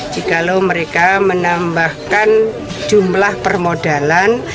jikalau mereka menambahkan jumlah permodalan